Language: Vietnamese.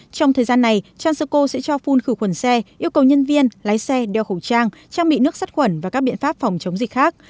trong thời gian này transoco sẽ cho phun khử khuẩn xe yêu cầu nhân viên lái xe đeo khẩu trang trang bị nước sắt khuẩn và các biện pháp phòng chống dịch khác